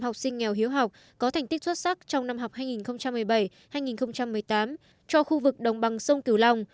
học sinh nghèo hiếu học có thành tích xuất sắc trong năm học hai nghìn một mươi bảy hai nghìn một mươi tám cho khu vực đồng bằng sông cửu long